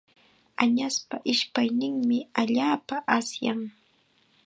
Añaspa ishpayninmi allaapa asyan.